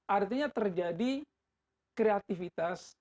artinya terjadi kreativitas